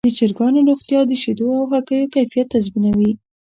د چرګانو روغتیا د شیدو او هګیو کیفیت تضمینوي.